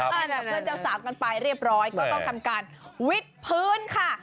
จากเพื่อนเจ้าสาวกันไปเรียบร้อยก็ต้องทำการวิทย์พื้นค่ะ